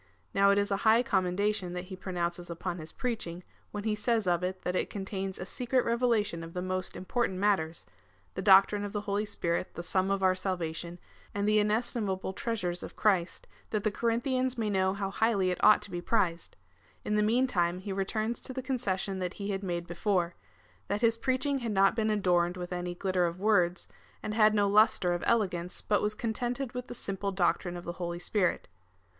Now it is a high commendation that he pronounces upon his preaching, when he says of it that it contains a secret revelation of the most important matters — the doctrine of the Holy Spirit, the sum of our salvation, and the inestimable treasures of Christ, that the Corinthians may know how highly it ought to be prized. In the meantime he returns to the concession that he had made before — that his preaching had not been adorned with any '" Fondee en ^aie magnanimite heroique ;"—" Founded upon a heroical magnanimity." VOL. I. H 114 COMMENTARY ON THE CHAP. II. 13. glitter of words, and had no lustre of elegance, but was contented witli the simple doctrine of the Holy Spirit.